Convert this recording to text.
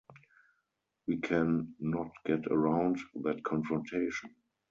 We can not get around that confrontation.